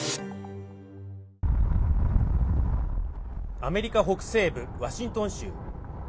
アメリカ北西部ワシントン州。